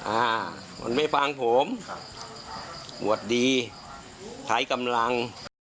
อ่ามันไม่ฟังผมครับบวชดีใช้กำลัง